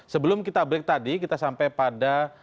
sebelum kita break tadi kita sampai pada